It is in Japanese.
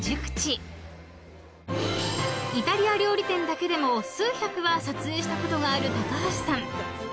［イタリア料理店だけでも数百は撮影したことがある高橋さん］